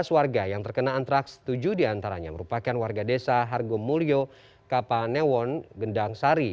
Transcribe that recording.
tiga belas warga yang terkena antraks tujuh diantaranya merupakan warga desa hargomulyo kapanewon gendang sari